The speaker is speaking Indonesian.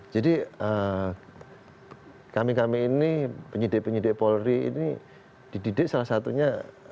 jadi kami kami ini penyidik penyidik polri ini dididik salah satunya